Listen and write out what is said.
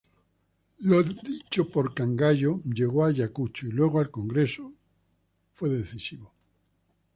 Lo dicho por Cangallo llegó a Ayacucho y luego al Congreso, fue decisivo.